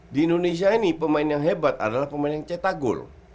di indonesia ini pemain yang hebat adalah pemain yang cetak gol